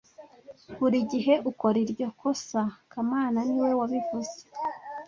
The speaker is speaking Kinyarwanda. Buri gihe ukora iryo kosa kamana niwe wabivuze